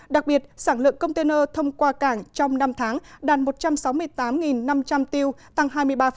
đặc biệt sản lượng container thông qua cảng trong năm tháng đạt một trăm sáu mươi tám năm trăm linh tiêu tăng hai mươi ba